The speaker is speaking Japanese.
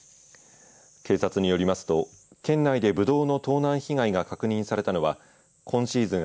警察によりますと県内で、ぶどうの盗難被害が確認されたのは今シーズン